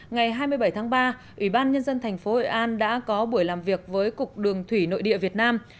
ngày hai mươi bảy tháng ba ủy ban nhân dân tp hội an đã có buổi làm việc với cục đường thủy nội địa việt nam